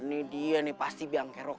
ini dia nih pasti biang kerok